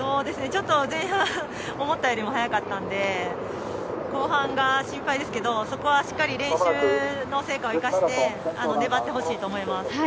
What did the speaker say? ちょっと前半思ったよりも速かったんで後半が心配ですけどそこはしっかり練習の成果を生かして粘ってほしいと思います。